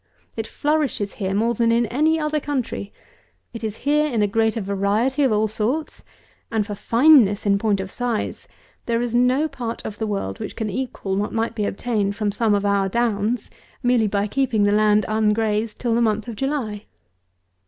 It flourishes here more than in any other country. It is here in a greater variety of sorts; and for fineness in point of size, there is no part of the world which can equal what might be obtained from some of our downs, merely by keeping the land ungrazed till the month of July.